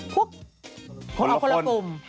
พุกคนละกลุ่ม